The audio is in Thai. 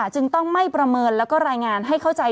จึงต้องไม่ประเมินแล้วก็รายงานให้เข้าใจ